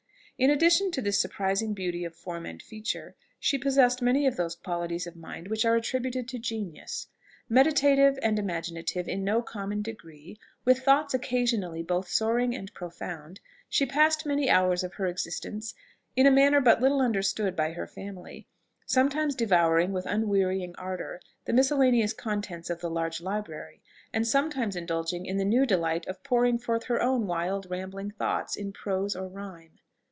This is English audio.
In addition to this surprising beauty of form and feature, she possessed many of those qualities of mind which are attributed to genius. Meditative and imaginative in no common degree, with thoughts occasionally both soaring and profound, she passed many hours of her existence in a manner but little understood by her family sometimes devouring with unwearying ardour the miscellaneous contents of the large library, and sometimes indulging in the new delight of pouring forth her own wild, rambling thoughts in prose or rhyme.